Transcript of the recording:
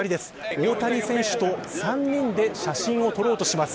大谷選手と３人で写真を撮ろうとします。